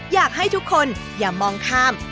อยากให้ทุกคนอย่ามองข้าม